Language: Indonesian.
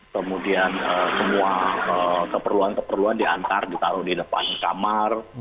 kemudian semua keperluan keperluan diantar ditaruh di depan kamar